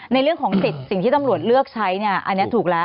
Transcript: ในเรื่องของสิทธิ์สิ่งที่ตำรวจเลือกใช้เนี่ยอันนี้ถูกแล้ว